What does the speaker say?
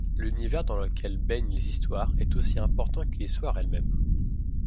L'univers dans lequel baignent les histoires est aussi important que l'histoire elle-même.